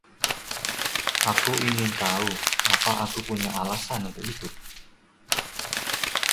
Aku ingin tahu apa aku punya alasan untuk hidup?